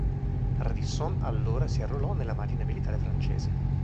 Radisson allora si arruolò nella marina militare francese.